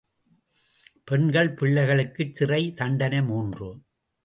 பெண்கள், பிள்ளைகளுக்குச் சிறை தண்டனை மூன்று.